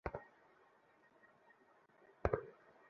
জিজ্ঞেস কর কেন কাঁদছে।